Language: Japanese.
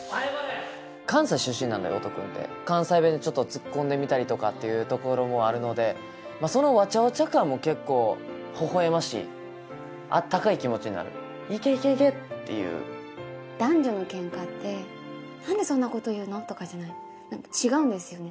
関西出身なんで音くんって関西弁でツッコんでみたりとかっていうところもあるのでそのわちゃわちゃ感も結構ほほえましいあったかい気持ちになるいけいけいけっていう男女のケンカって「何でそんなこと言うの！？」とかじゃない違うんですよね